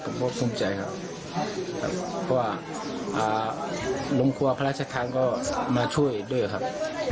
ผมก็ภูมิใจครับเพราะว่าลงครัวพระราชทานก็มาช่วยด้วยครับ